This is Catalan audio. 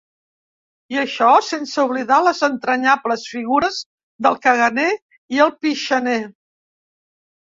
I això sense oblidar les entranyables figures del caganer i el pixaner.